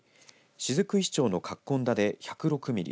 雫石町の葛根田で１０５．５ミリ